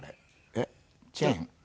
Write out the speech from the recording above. えっチェーン？